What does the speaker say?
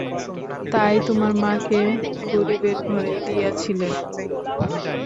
তাই তোমার মাকে গরিবের ঘরেই দিয়াছিলেন।